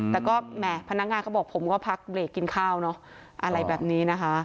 แต่ก็แหมพนักงานเขาบอกผมก็พักเบรกกินข้าวเนอะอะไรแบบนี้นะคะ